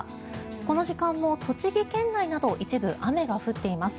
この時間も栃木県内など一部雨が降っています。